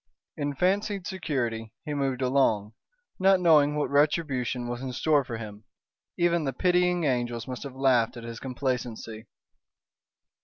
In fancied security he moved along, not knowing what retribution was in store for him. Even the pitying angels must have laughed at his complacency.